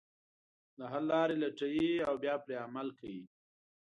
د حل لارې لټوي او بیا پرې عمل کوي.